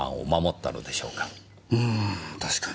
うーん確かに。